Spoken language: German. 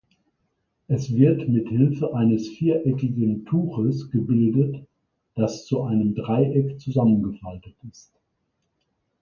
Es wird mit Hilfe eines viereckigen Tuches gebildet, das zu einem Dreieck zusammengefaltet ist.